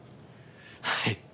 はい。